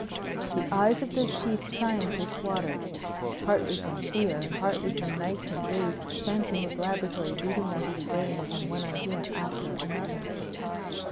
The eyes of the Chief Scientist watered partly from fear, and partly from nights and days spent in his laboratory beating out his brains on one idea after another.